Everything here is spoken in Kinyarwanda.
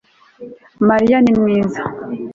Mariya ni mwiza